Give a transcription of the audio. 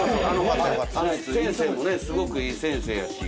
先生もねすごくいい先生やし。